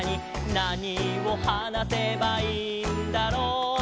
「なにをはなせばいいんだろう？」